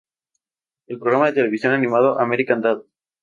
El programa de televisión animado, "American Dad!